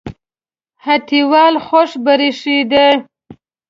هټۍوال خوښ برېښېده